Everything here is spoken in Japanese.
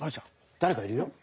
だれかいるよ？